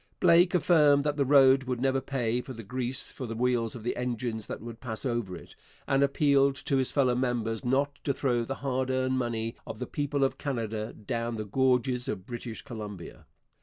Blake affirmed that the road would never pay for the grease for the wheels of the engines that would pass over it, and appealed to his fellow members not to throw the hard earned money of the people of Canada 'down the gorges of British Columbia.'